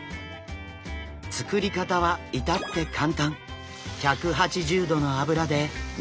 作り方は至って簡単。